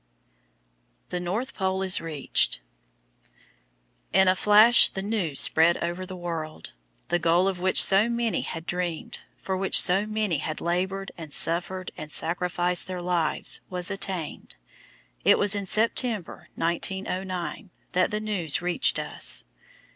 "The North Pole is reached." In a flash the news spread over the world. The goal of which so many had dreamed, for which so many had laboured and suffered and sacrificed their lives, was attained. It was in September, 1909, that the news reached us.